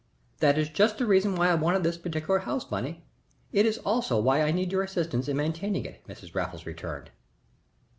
"That is just the reason why I wanted this particular house, Bunny. It is also why I need your assistance in maintaining it," Mrs. Raffles returned.